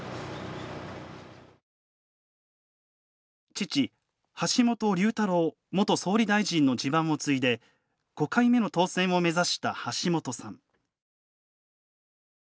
父、橋本龍太郎元総理大臣の地盤を継いで５回目の当選を目指した橋本さん。